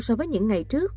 so với những ngày trước